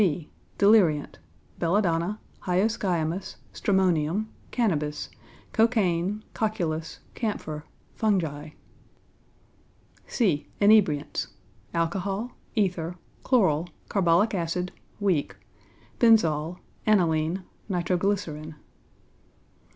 (b) Deliriant belladonna, hyoscyamus, stramonium, cannabis, cocaine, cocculus, camphor, fungi. (c) Inebriants alcohol, ether, chloral, carbolic acid (weak), benzol, aniline, nitro glycerine.